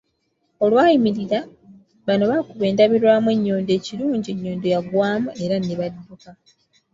Olwayimirira, bano baakuba endabirwamu ennyondo ekirungi ennyondo yagwamu era ne badduka.